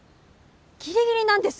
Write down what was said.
ギリギリなんです。